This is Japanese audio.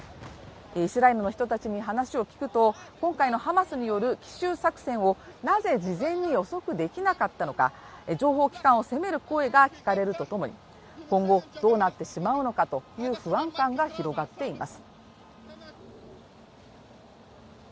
イスラエルの人たちに話を聞くと、今回のハマスによる奇襲作戦をなぜ事前に予測できなかったのか情報機関を責める声が聞かれるとともに今後どうなってしまうのかという不安感が広がっています。